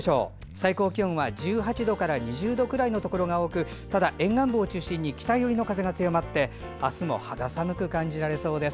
最高気温は１８度から２０度くらいのところが多くただ、沿岸分を中心に北寄りの風が強まってあすも肌寒く感じられそうです。